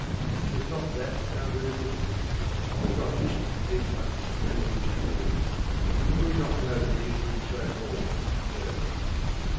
Does not that sound reasonable? Does not history teach us that it is true? Do we not know that religion was so born and nursed?